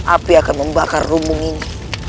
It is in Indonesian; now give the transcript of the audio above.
api akan membakar rumung ini